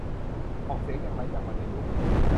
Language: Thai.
ออกเสียงอย่างไรจากวรรณยุกต์